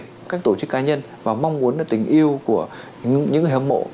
các doanh nghiệp các tổ chức cá nhân và mong muốn là tình yêu của những người hâm mộ